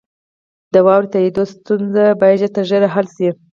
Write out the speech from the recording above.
د واورئ تائیدو ستونزه باید ژر تر ژره حل شي.